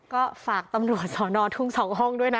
ก็ฝากตำรวจสอนอทุ่ง๒ห้องด้วยนะ